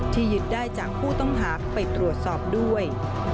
ยึดได้จากผู้ต้องหาไปตรวจสอบด้วย